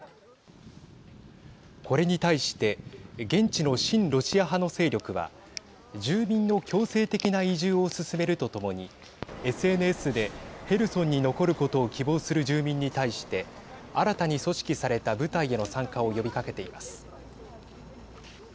これに対して現地の親ロシア派の勢力は住民の強制的な移住を進めるとともにＳＮＳでヘルソンに残ることを希望する住民に対して新たに組織された部隊への参加を呼びかけています。